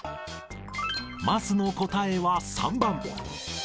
桝の答えは３番。